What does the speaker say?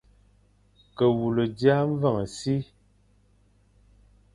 Ma wule dia mveñ e si,